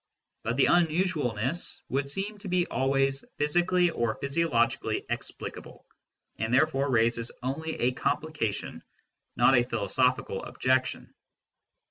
But the unusualness would seem to be always physically or physiologically explicable, and therefore raises only a complication, not a philosophical objection.